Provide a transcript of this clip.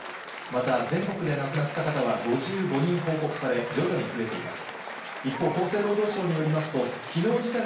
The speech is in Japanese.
また、全国で亡くなった方は５５人報告され、徐々に増えています。